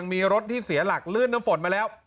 มีรถที่เสียหลักลื่นน้ำฝนมาแล้ว